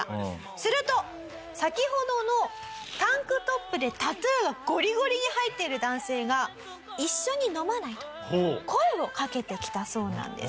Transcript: すると先ほどのタンクトップでタトゥーがゴリゴリに入っている男性が「一緒に飲まない？」と声をかけてきたそうなんです。